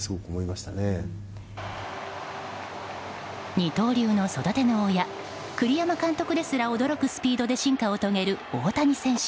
二刀流の育ての親栗山監督ですら驚くスピードで進化を遂げる大谷選手。